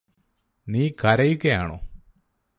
നീ കരയുകയാണോ